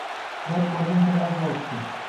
Dard borgan sari avj olibdi.